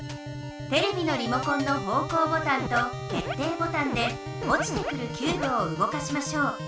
テレビのリモコンの方向ボタンと決定ボタンでおちてくるキューブをうごかしましょう。